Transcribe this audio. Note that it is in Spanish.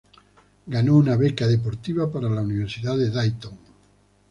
Ganó una beca deportiva para la Universidad de Dayton.